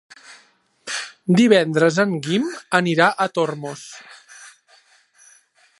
Divendres en Guim anirà a Tormos.